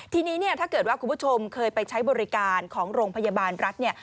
ทีนี้เนี่ยถ้าเกิดว่าคุณผู้ชมเคยไปใช้บริการของโรงพยาบาลรัฐเนี่ย